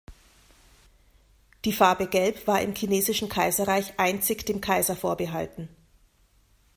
Die Farbe Gelb war im chinesischen Kaiserreich einzig dem Kaiser vorbehalten.